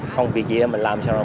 không việc gì mình làm xong rồi